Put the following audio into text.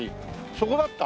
そこだった？